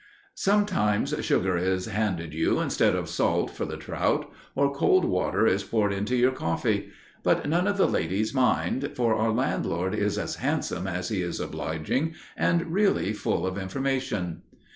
Sometimes sugar is handed you instead of salt for the trout, or cold water is poured into your coffee; but none of the ladies mind, for our landlord is as handsome as he is obliging, and really full of information.